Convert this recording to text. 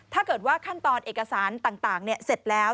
ถ้าเกิดว่าขั้นตอนเอกสารต่างเสร็จแล้ว